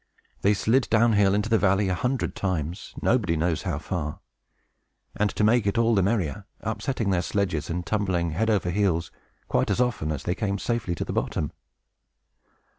They slid down hill into the valley, a hundred times, nobody knows how far; and, to make it all the merrier, upsetting their sledges, and tumbling head over heels, quite as often as they came safely to the bottom.